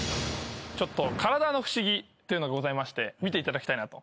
体の不思議っていうのがございまして見ていただきたいなと。